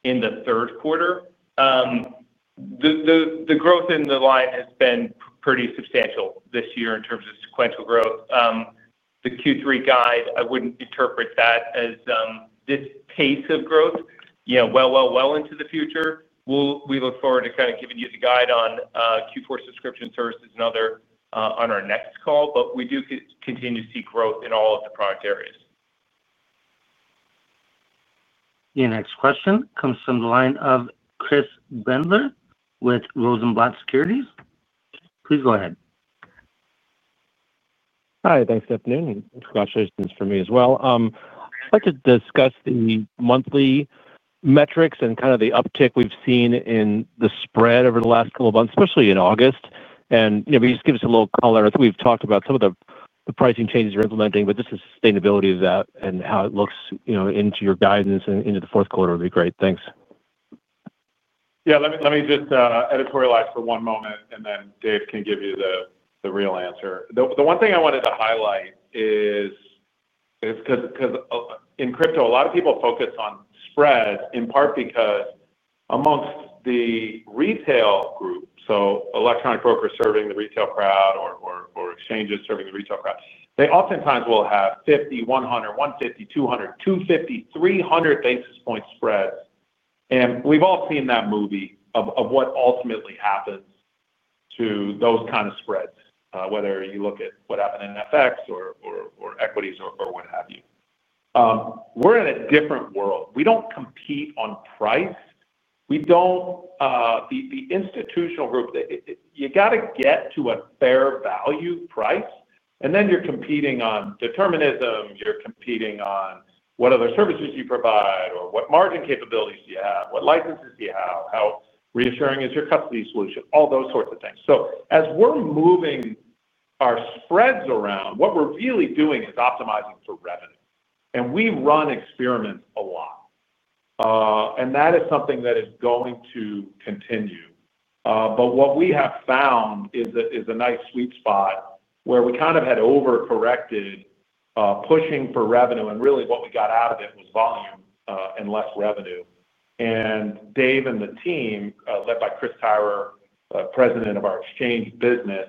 in the third quarter. The growth in the line has been pretty substantial this year in terms of sequential growth. The Q3 guide, I wouldn't interpret that as this pace of growth well into the future. We look forward to kind of giving you the guide on Q4 subscription services and other on our next call, but we do continue to see growth in all of the product areas. Your next question comes from the line of Chris Brendler with Rosenblatt Securities. Please go ahead. Hi, thanks for the afternoon. It's a conversation for me as well. I'd like to discuss the monthly metrics and kind of the uptick we've seen in the spread over the last couple of months, especially in August. If you just give us a little color, we've talked about some of the pricing changes you're implementing, just the sustainability of that and how it looks into your guidance and into the fourth quarter would be great. Thanks. Yeah, let me just editorialize for one moment, and then Dave can give you the real answer. The one thing I wanted to highlight is, because in crypto, a lot of people focus on spread in part because amongst the retail group, so electronic brokers serving the retail crowd or exchanges serving the retail crowd, they oftentimes will have 50 basis points, 100 basis points, 150 basis points, 200 basis points, 250 basis points, 300 basis points spread. We've all seen that movie of what ultimately happens to those kind of spreads, whether you look at what happened in FX or equities or what have you. We're in a different world. We don't compete on price. The institutional group, you got to get to a fair value price, and then you're competing on determinism, you're competing on what other services you provide, or what margin capabilities do you have, what licenses do you have, how reassuring is your custody solution, all those sorts of things. As we're moving our spreads around, what we're really doing is optimizing for revenue. We run experiments a lot. That is something that is going to continue. What we have found is a nice sweet spot where we kind of had overcorrected pushing for revenue, and really what we got out of it was volume and less revenue. Dave and the team, led by Chris Tyrer, President of our exchange business,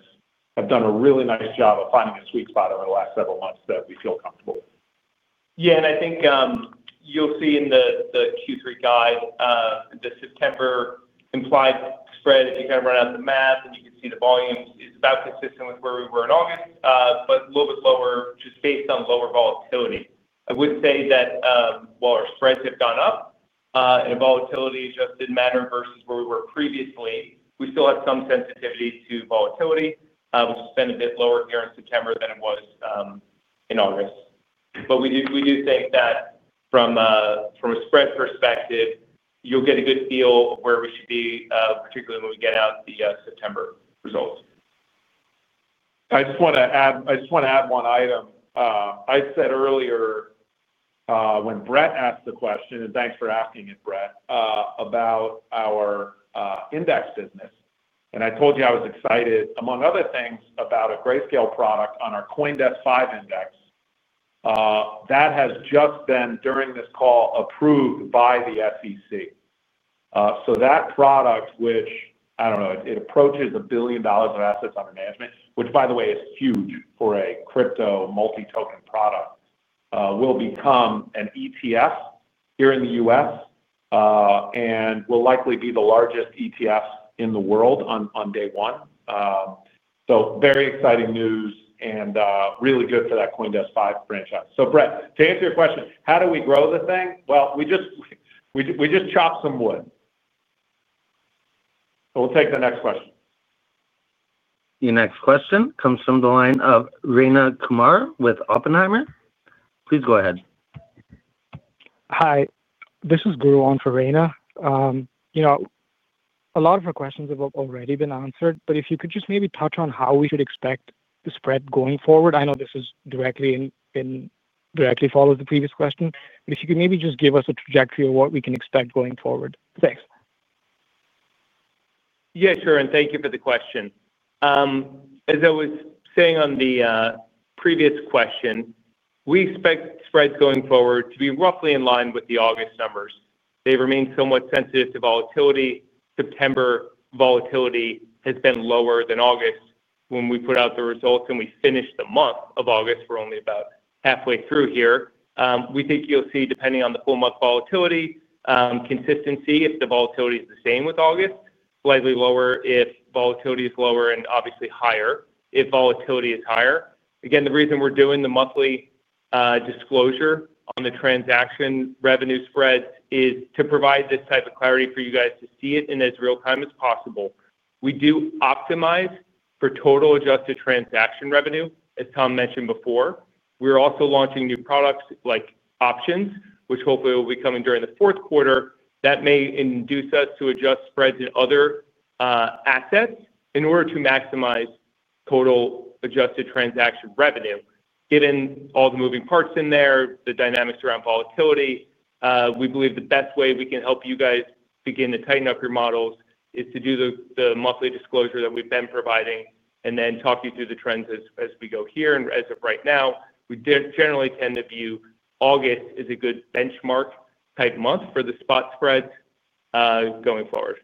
have done a really nice job of finding a sweet spot over the last several months that we feel comfortable with. Yeah, I think you'll see in the Q3 guide, the September implied spread, if you kind of run out the math and you can see the volume, is about consistent with where we were in August, but a little bit lower just based on lower volatility. I would say that while our spreads have gone up and volatility just didn't matter versus where we were previously, we still have some sensitivity to volatility. We'll just spend a bit lower here in September than it was in August. We do think that from a spread perspective, you'll get a good feel of where we should be, particularly when we get out the September results. I just want to add one item. I said earlier when Brett asked the question, and thanks for asking it, Brett, about our index business. I told you I was excited, among other things, about a Grayscale product on our CoinDesk 5 Index. That has just been, during this call, approved by the SEC. That product, which, I don't know, it approaches $1 billion of assets under management, which, by the way, is huge for a crypto multi-token product, will become an ETF here in the U.S. and will likely be the largest ETF in the world on day one. Very exciting news and really good for that CoinDesk 5 franchise. Brett, to answer your question, how do we grow the thing? We just chop some wood. We'll take the next question. Your next question comes from the line of Rayna Kumar with Oppenheimer. Please go ahead. Hi, this is Guru on for Rayna. A lot of her questions have already been answered, but if you could just maybe touch on how we should expect the spread going forward. I know this is directly following the previous question, but if you could maybe just give us a trajectory of what we can expect going forward. Thanks. Yeah, sure, and thank you for the question. As I was saying on the previous question, we expect spreads going forward to be roughly in line with the August numbers. They remain somewhat sensitive to volatility. September volatility has been lower than August when we put out the results and we finished the month of August. We're only about halfway through here. We think you'll see, depending on the full month volatility, consistency if the volatility is the same with August, slightly lower if volatility is lower, and obviously higher if volatility is higher. The reason we're doing the monthly disclosure on the transaction revenue spreads is to provide this type of clarity for you guys to see it in as real time as possible. We do optimize for total adjusted transaction revenue, as Tom mentioned before. We're also launching new products like options, which hopefully will be coming during the fourth quarter. That may induce us to adjust spreads in other assets in order to maximize total adjusted transaction revenue. Given all the moving parts in there, the dynamics around volatility, we believe the best way we can help you guys begin to tighten up your models is to do the monthly disclosure that we've been providing and then talk you through the trends as we go here. As of right now, we generally tend to view August as a good benchmark type month for the spot spreads going forward.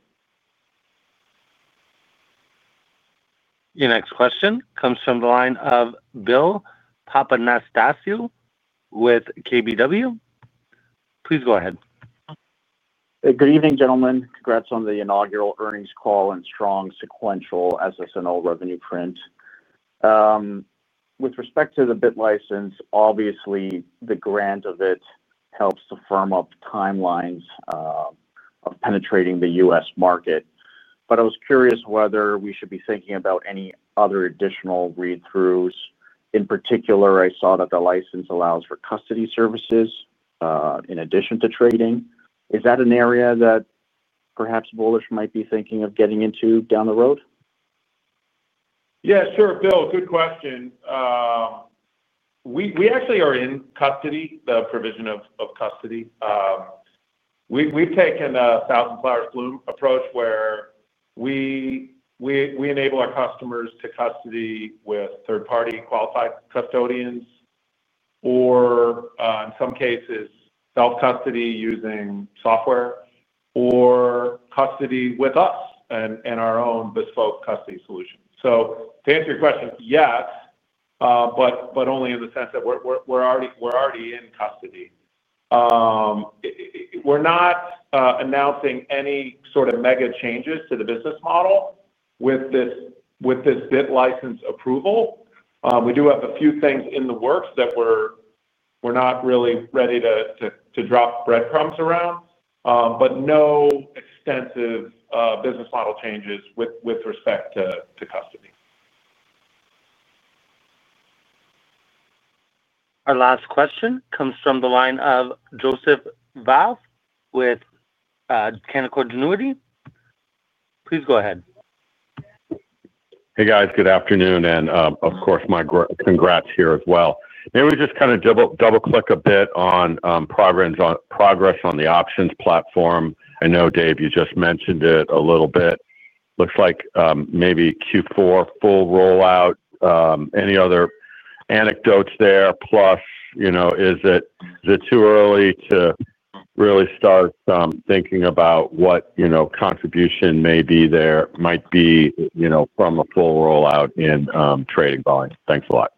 Your next question comes from the line of Bill Papanastasiou with KBW. Please go ahead. Good evening, gentlemen. Congrats on the inaugural earnings call and strong sequential SS&O revenue print. With respect to the BitLicense, obviously the grant of it helps to firm up timelines of penetrating the U.S. market. I was curious whether we should be thinking about any other additional read-throughs. In particular, I saw that the license allows for custody services in addition to trading. Is that an area that perhaps Bullish might be thinking of getting into down the road? Yeah, sure, Bill. Good question. We actually are in custody, the provision of custody. We've taken a thousand flowers bloom approach where we enable our customers to custody with third-party qualified custodians, or in some cases, self-custody using software, or custody with us and our own bespoke custody solution. To answer your question, yes, but only in the sense that we're already in custody. We're not announcing any sort of mega changes to the business model with this BitLicense approval. We do have a few things in the works that we're not really ready to drop breadcrumbs around, but no extensive business model changes with respect to custody. Our last question comes from the line of Joseph Valve with Canaccord Genuity. Please go ahead. Hey guys, good afternoon, and of course my congrats here as well. Maybe we just kind of double-click a bit on progress on the options platform. I know, Dave, you just mentioned it a little bit. Looks like maybe Q4 full rollout. Any other anecdotes there? Plus, you know, is it too early to really start thinking about what, you know, contribution may be there, might be, you know, from a full rollout in trading volume? Thanks a lot.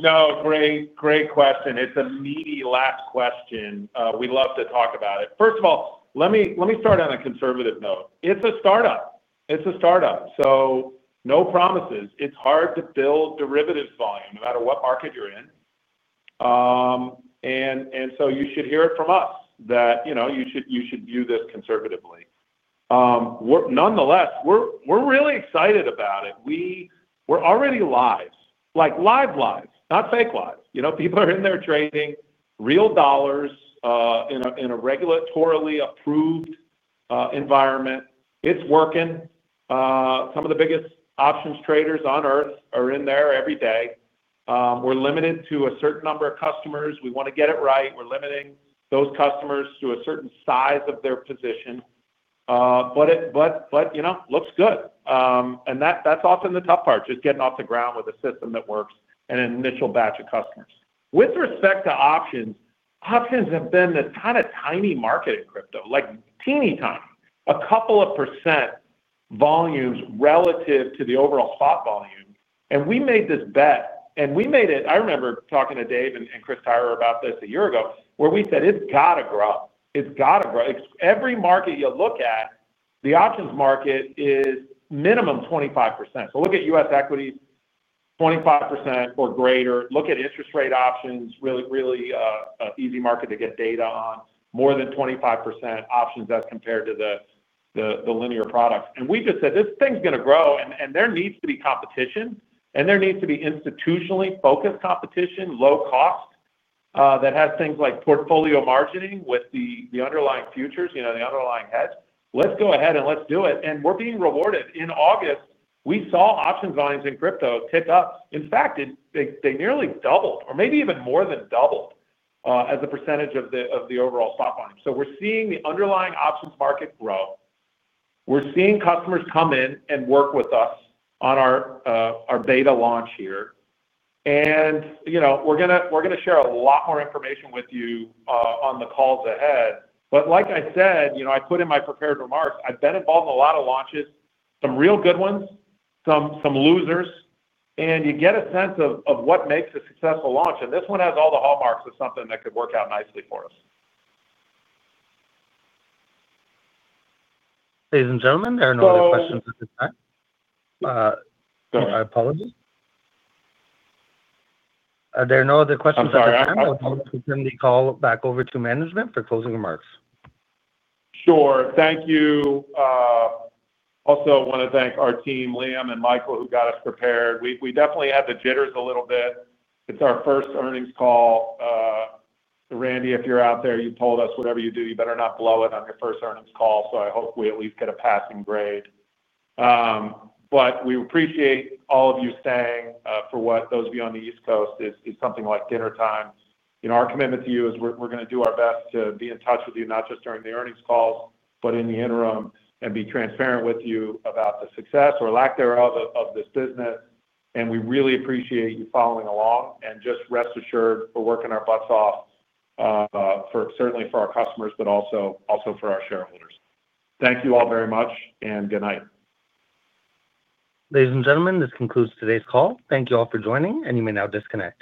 Great question. It's a meaty last question. We'd love to talk about it. First of all, let me start on a conservative note. It's a startup. It's a startup, so no promises. It's hard to build derivatives volume, no matter what market you're in. You should hear it from us that you should view this conservatively. Nonetheless, we're really excited about it. We're already live. Like live live, not fake live. People are in there trading real dollars in a regulatorily approved environment. It's working. Some of the biggest options traders on Earth are in there every day. We're limited to a certain number of customers. We want to get it right. We're limiting those customers to a certain size of their position. Looks good, and that's often the tough part, just getting off the ground with a system that works and an initial batch of customers. With respect to options, options have been this kind of tiny market in crypto, like teeny tiny, a couple of percent volumes relative to the overall spot volume. We made this bet, and we made it, I remember talking to Dave and Chris Tyrer about this a year ago, where we said it's got to grow up. It's got to grow. Every market you look at, the options market is minimum 25%. Look at U.S. equities, 25% or greater. Look at interest rate options, really, really easy market to get data on. More than 25% options as compared to the linear products. We just said this thing's going to grow, and there needs to be competition, and there needs to be institutionally focused competition, low cost, that has things like portfolio margining with the underlying futures, the underlying hedge. Let's go ahead and let's do it. We're being rewarded. In August, we saw options volumes in crypto tick up. In fact, they nearly doubled, or maybe even more than doubled, as a percentage of the overall spot volume. We're seeing the underlying options market grow. We're seeing customers come in and work with us on our beta launch here. We're going to share a lot more information with you on the calls ahead. Like I said, I put in my prepared remarks, I've been involved in a lot of launches, some real good ones, some losers, and you get a sense of what makes a successful launch. This one has all the hallmarks of something that could work out nicely for us. Ladies and gentlemen, there are no other questions at this time. I'll turn the call back over to management for closing remarks. Sure. Thank you. Also, I want to thank our team, Liam and Michael, who got us prepared. We definitely had the jitters a little bit. It's our first earnings call. Randy, if you're out there, you polled us, whatever you do, you better not blow it on your first earnings call. I hope we at least get a passing grade. We appreciate all of you staying for what those of you on the East Coast, it's something like dinner time. You know, our commitment to you is we're going to do our best to be in touch with you, not just during the earnings calls, but in the interim, and be transparent with you about the success or lack thereof of this business. We really appreciate you following along. Just rest assured, we're working our butts off for certainly for our customers, but also for our shareholders. Thank you all very much, and good night. Ladies and gentlemen, this concludes today's call. Thank you all for joining, and you may now disconnect.